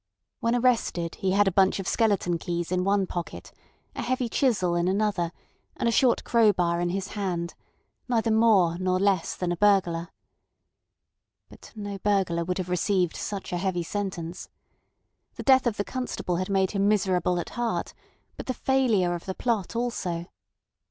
When arrested he had a bunch of skeleton keys in one pocket, a heavy chisel in another, and a short crowbar in his hand: neither more nor less than a burglar. But no burglar would have received such a heavy sentence. The death of the constable had made him miserable at heart, but the failure of the plot also.